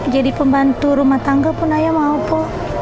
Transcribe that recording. jadi pembantu rumah tangga pun ayah mau po